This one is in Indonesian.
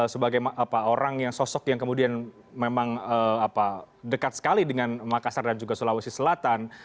sebagai orang yang sosok yang kemudian memang dekat sekali dengan makassar dan juga sulawesi selatan